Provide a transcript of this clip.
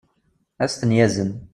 ad as-ten-yazen